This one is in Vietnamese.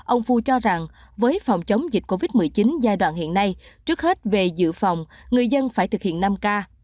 ông phu cho rằng với phòng chống dịch covid một mươi chín giai đoạn hiện nay trước hết về dự phòng người dân phải thực hiện năm k